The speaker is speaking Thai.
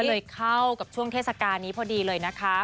ก็เลยเข้ากับช่วงเทศกาลนี้พอดีเลยนะคะ